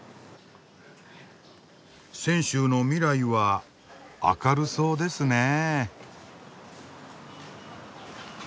泉州の未来は明るそうですねえ。